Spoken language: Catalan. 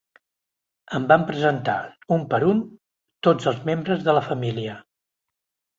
Em van presentar, un per un, tots els membres de la família.